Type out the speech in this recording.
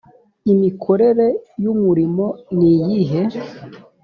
imikorere y umurimo niyihe